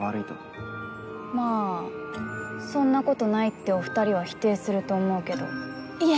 まあそんなことないってお二人は否定すると思うけどいえ